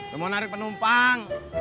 gue mau narik penumpang